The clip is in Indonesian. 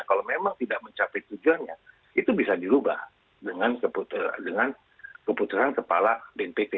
kalau memang tidak mencapai tujuannya itu bisa dirubah dengan keputusan kepala bnpt